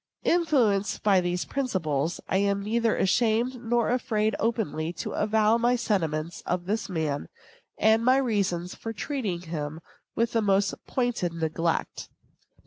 Influenced by these principles, I am neither ashamed nor afraid openly to avow my sentiments of this man, and my reasons for treating him with the most pointed neglect.